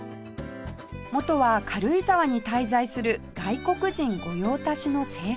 元は軽井沢に滞在する外国人御用達の青果店